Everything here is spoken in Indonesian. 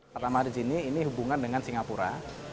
pertama di sini ini hubungan dengan singapura